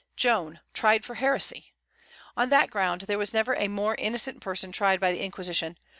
Joan tried for heresy! On that ground there was never a more innocent person tried by the Inquisition.